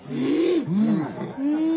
うん！